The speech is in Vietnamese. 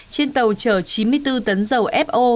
trên tàu chở chín mươi bốn tấn dầu fo